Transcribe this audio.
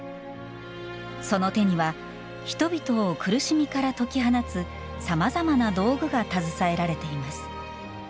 その手には、人々を苦しみから解き放つ、さまざまな道具が携えられています。